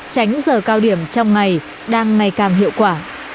tránh giờ cao điểm trong ngày đang may cam hiệu quả